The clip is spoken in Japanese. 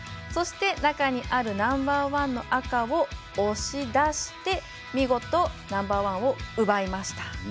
そして、中にあるナンバーワンの赤を押し出して見事ナンバーワンを奪いました。